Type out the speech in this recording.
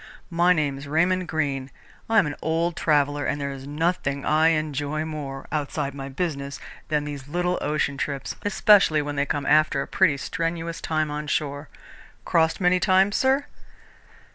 "My name's Raymond Greene. I am an old traveller and there's nothing I enjoy more, outside my business, than these little ocean trips, especially when they come after a pretty strenuous time on shore. Crossed many times, sir?"